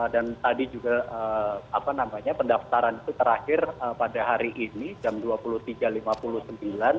dan tadi juga pendaftaran itu terakhir pada hari ini jam dua puluh tiga lima puluh sembilan